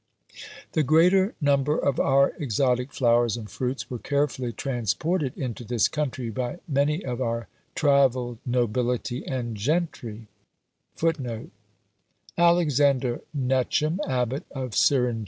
The greater number of our exotic flowers and fruits were carefully transported into this country by many of our travelled nobility and gentry; some names have been casually preserved.